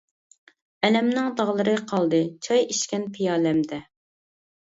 ئەلەمنىڭ داغلىرى قالدى، چاي ئىچكەن پىيالەمدە.